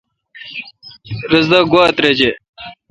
رس دا گوا ترجہ ۔